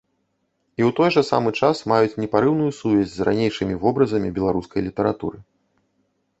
І ў той жа самы час маюць непарыўную сувязь з ранейшымі вобразамі беларускай літаратуры.